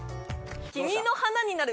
「君の花になる」